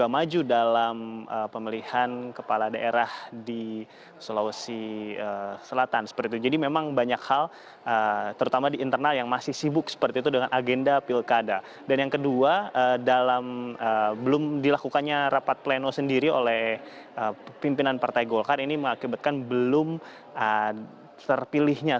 pasal mana saja yang akan diubah nantinya